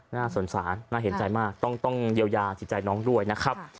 น่าสงสารน่าเห็นใจมากต้องเยียวยาจิตใจน้องด้วยนะครับ